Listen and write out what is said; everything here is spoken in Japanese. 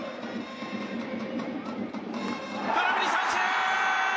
空振り三振！